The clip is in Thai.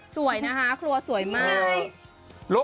สวยนะคะครัวสวยมาก